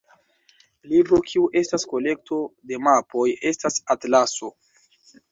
Libro kiu estas kolekto de mapoj estas atlaso.